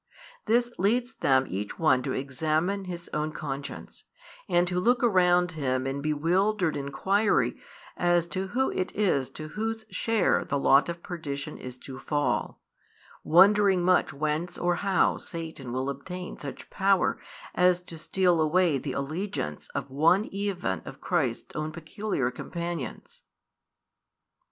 This leads them each one to examine his own conscience, and to look around him in bewildered inquiry as to who it is to whose share the lot of perdition is to fall, wondering much whence or how Satan will obtain such power as to steal away the allegiance of one even of Christ's own peculiar companions.